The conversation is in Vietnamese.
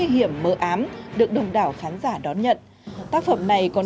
học một ở đại học tokyo